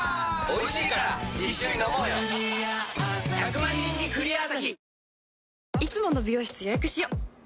１００万人に「クリアアサヒ」